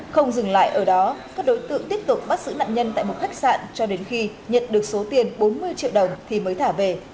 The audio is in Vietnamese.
không dừng lại ở đó các đối tượng tiếp tục bắt giữ nạn nhân tại một khách sạn cho đến khi nhận được số tiền bốn mươi triệu đồng thì mới thả về